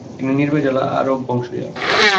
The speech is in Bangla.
তিনি নির্ভেজাল আরব বংশজাত ।